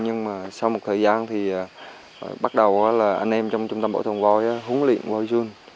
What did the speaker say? nhưng mà sau một thời gian thì bắt đầu là anh em trong trung tâm bảo tồn voi huấn luyện vôi dương